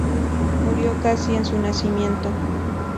Murió casi en su nacimiento.